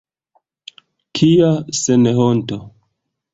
Kia senhonto!